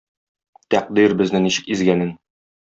Тәкъдир безне ничек изгәнен.